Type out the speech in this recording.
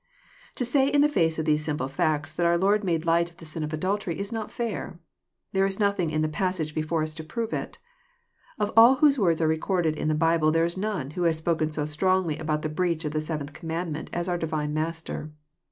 To say in the face of these simple facts that our Lord made light of the sin of adultery is not fair. There is nothing in the passage before us to prove it. Of all whose words are recorded in the Bible there is none who has spoken so strongly about the breach of the seventh com mandment as our divine Master.